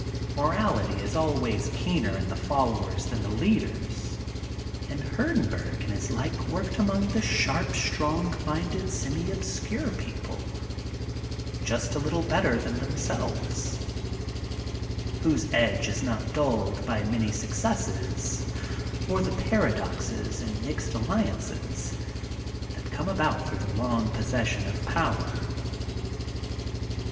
Morality is always keener in the followers than the leaders, and Hurden burg and his kind worked among the sharp strong minded semi obscure people, just a little better than themselves, whose edge is not dulled by many successes or the paradoxes and mixed alliances that come about through the long possession of power.